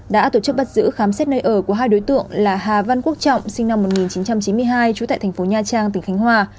đã tổ chức bắt giữ khám xét nơi ở của hai đối tượng là hà văn quốc trọng sinh năm một nghìn chín trăm chín mươi hai trú tại thành phố nha trang tỉnh khánh hòa